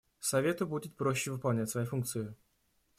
Совету будет проще выполнять свои функции.